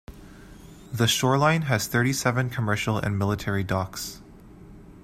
The shoreline has thirty seven commercial and military docks.